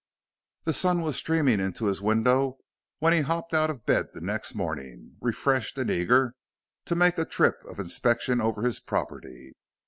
The sun was streaming into his window when he hopped out of bed the next morning, refreshed and eager to make a trip of inspection over his property.